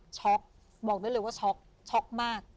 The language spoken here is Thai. บอกได้เลยว่าช็อกช็อกมาก